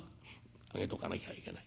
上げとかなきゃいけない。